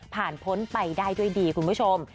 พ้นไปได้ด้วยดีคุณผู้ชม